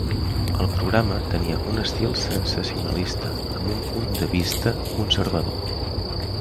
El programa tenia un estil sensacionalista, amb un punt de vista conservador.